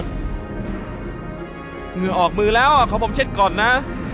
เหงื่อออกมือแล้วขอผมเช็ดก่อนนะ